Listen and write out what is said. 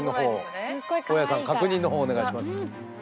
大家さん確認のほうお願いします。